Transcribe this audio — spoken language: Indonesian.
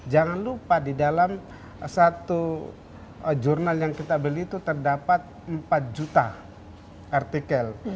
jangan lupa di dalam satu jurnal yang kita beli itu terdapat empat juta artikel